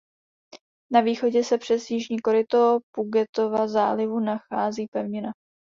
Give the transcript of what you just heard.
Na východě se přes jižní koryto Pugetova zálivu nachází pevnina.